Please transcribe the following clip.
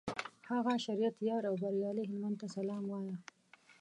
هغه شریعت یار او بریالي هلمند ته سلام وایه.